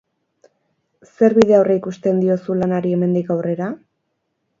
Zer bide aurreikusten diozu lanari hemendik aurrera?